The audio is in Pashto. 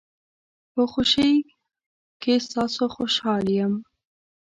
په خوشۍ کې ستاسو خوشحال یم.